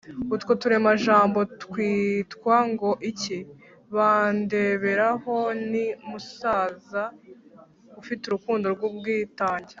utwo turemajambo twitwa ngo iki? bandebereho ni umusaza ufite urukundo n’ubwitange.